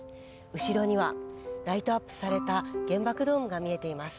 後ろにはライトアップされた原爆ドームが見えています。